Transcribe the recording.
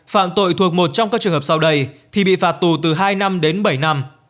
phạm tội thuộc một trong các trường hợp sau đây thì bị phạt tù từ hai năm đến bảy năm